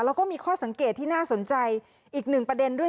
แล้วก็มีข้อสังเกตที่น่าสนใจอีกหนึ่งประเด็นด้วย